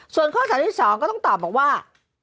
ส่วนข้อ๓ที่๒ก็ต้องตอบบอกว่า